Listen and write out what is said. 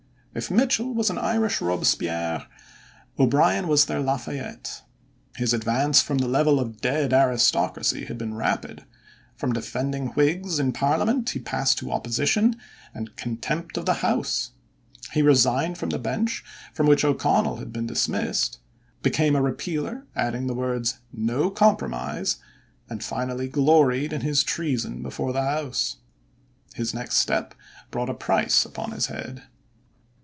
If Mitchel was an Irish Robespierre, O'Brien was their Lafayette. His advance from the level of dead aristocracy had been rapid. From defending Whigs in Parliament he passed to opposition and "contempt of the House." He resigned from the Bench from which O'Connell had been dismissed, became a Repealer, adding the words "no compromise," and finally gloried in his treason before the House. His next step brought a price upon his head.